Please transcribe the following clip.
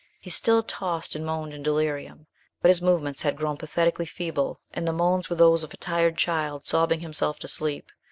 He still tossed and moaned in delirium, but his movements had grown pathetically feeble and the moans were those of a tired child sobbing himself to sleep.